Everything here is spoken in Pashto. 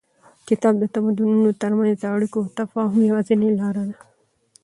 کتاب د تمدنونو تر منځ د اړیکو او تفاهم یوازینۍ لاره ده.